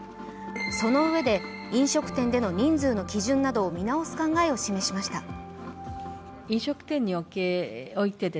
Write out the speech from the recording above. そのうえで飲食店での人数の基準などを見直す考えを示しました。